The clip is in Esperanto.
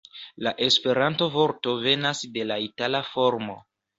La Esperanta vorto venas de la itala formo.